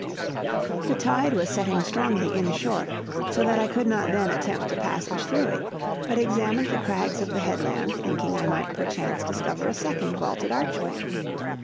"The tide was setting strongly in shore, so that I could not then attempt a passage through it, but examined the crags of the headland, thinking I might perchance discover a second vaulted archway.